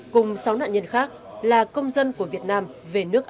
cùng sáu nạn nhân khác là công dân của việt nam về nước